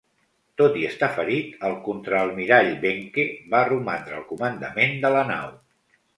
Tot i estar ferit, el contraalmirall Behncke va romandre al comandament de la nau.